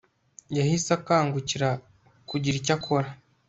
yahise akangukira kugira icyo akora